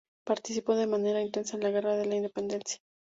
Participó de manera intensa en la Guerra de la Independencia.